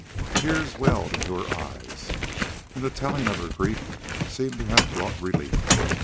Tears welled into her eyes, and the telling of her grief seemed to have brought relief.